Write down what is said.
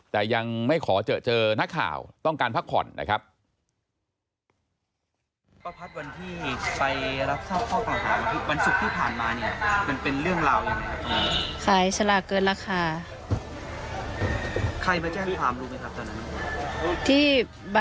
แต่ยังไม่ขอเจอนักข่าวต้องการพักผ่อนนะครับ